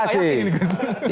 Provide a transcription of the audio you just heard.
ya kan saya ingin berkomunikasi